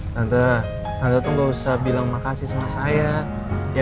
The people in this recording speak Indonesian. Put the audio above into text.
tante tante tuh gak usah bilang makasih sama saya ya